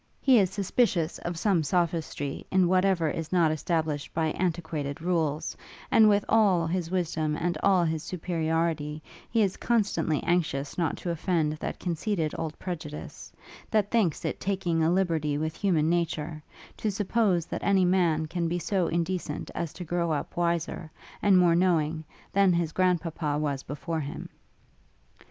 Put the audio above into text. He is suspicious of some sophistry in whatever is not established by antiquated rules; and, with all his wisdom, and all his superiority, he is constantly anxious not to offend that conceited old prejudice, that thinks it taking a liberty with human nature, to suppose that any man can be so indecent as to grow up wiser, and more knowing, than his grandpapa was before him.